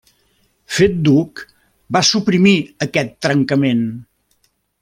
Fet duc, va suprimir aquest trencament.